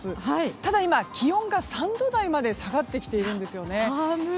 ただ、今、気温が３度台まで下がってきているんですよね。